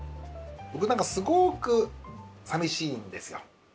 僕何かすごくさみしいんですよ。